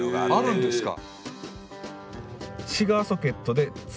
あるんですか。